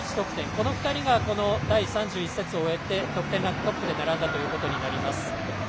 この２人が第３１節を終えて得点ランクトップで並んだということになります。